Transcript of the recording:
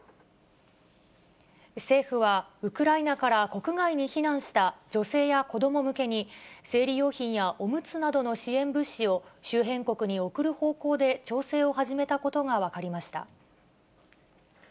政府は、ウクライナから国外に避難した女性や子ども向けに、生理用品やおむつなどの支援物資を、周辺国に送る方向で調整を始めたことが分かりました。